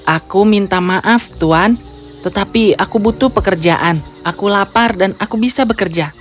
aku minta maaf tuan tetapi aku butuh pekerjaan aku lapar dan aku bisa bekerja